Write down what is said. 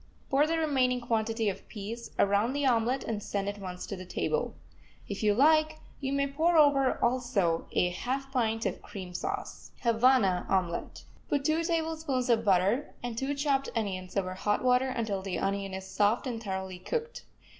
Pour the remaining quantity of peas around the omelet, and send at once to the table. If you like, you may pour over, also, a half pint of cream sauce. HAVANA OMELET Put two tablespoonfuls of butter and two chopped onions over hot water until the onion is soft and thoroughly cooked.